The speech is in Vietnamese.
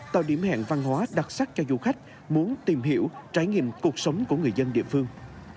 tạo điểm hẹn văn hóa đặc sắc cho du khách muốn tìm hiểu trải nghiệm cuộc sống của người dân địa phương